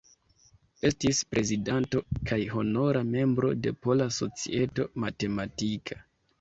Estis prezidanto kaj honora membro de Pola Societo Matematika.